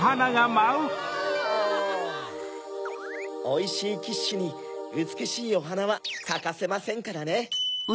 おいしいキッシュにうつくしいおはなはかかせませんからね。